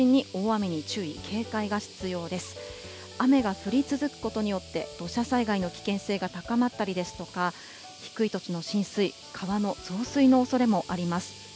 雨が降り続くことによって土砂災害の危険性が高まったりですとか、低い土地の浸水、川の増水のおそれもあります。